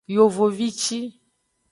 Yevovici.